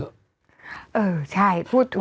เออใช่พูดถูก